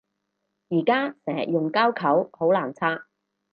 而家成日用膠扣好難拆